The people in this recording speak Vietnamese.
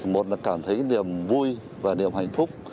một là cảm thấy niềm vui và niềm hạnh phúc